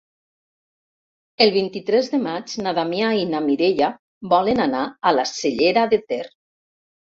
El vint-i-tres de maig na Damià i na Mireia volen anar a la Cellera de Ter.